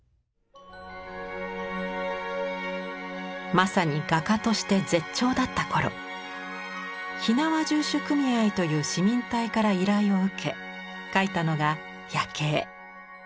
まさに画家として絶頂だった頃火縄銃手組合という市民隊から依頼を受け描いたのが「夜警」。